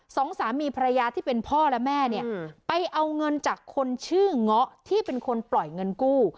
สองสามีภรรยาที่เป็นพ่อและแม่เนี่ยไปเอาเงินจากคนชื่อเงาะที่เป็นคนปล่อยเงินกู้